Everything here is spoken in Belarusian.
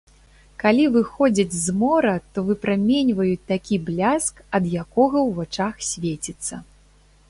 Калі выходзяць з мора, то выпраменьваюць такі бляск, ад якога ў вачах свеціцца.